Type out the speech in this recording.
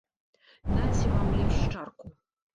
Наце вам лепш чарку.